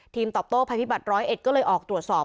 ทีมตอบโต้ภัยพิบัตรร้อยเอ็ดก็เลยออกตรวจสอบ